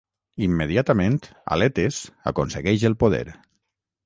Immediatament, Aletes aconsegueix el poder.